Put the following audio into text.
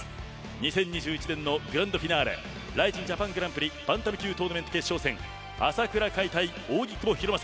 ２０２１年のグランドフィナーレＲＩＺＩＮＪＡＰＡＮＧＰバンタム級トーナメント決勝戦朝倉海対扇久保博正